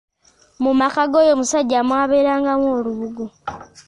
Mu maka g’omusajja oyo mwabangamu olubugo.